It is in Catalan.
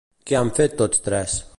Què han fet tots tres?